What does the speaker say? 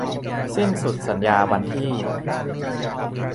สิ้นสุดสัญญาวันที่